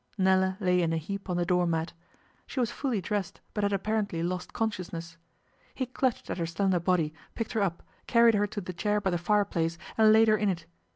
Nella lay in a heap on the door mat. She was fully dressed, but had apparently lost consciousness. He clutched at her slender body, picked her up, carried her to the chair by the fire place, and laid her in it.